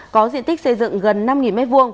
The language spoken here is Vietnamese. có diện tích xây dựng gần năm m hai